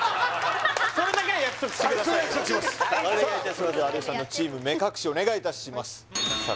それでは有吉さんのチーム目隠しお願いいたしますさあ